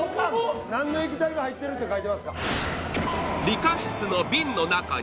何の液体が入ってるって書いてますか？